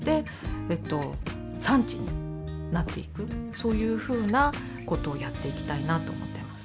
そういうふうなことをやっていきたいなと思ってます。